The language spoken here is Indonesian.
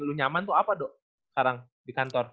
lo nyaman tuh apa do sekarang di kantor